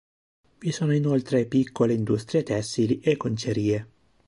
Vi sono inoltre piccole industrie tessili e concerie.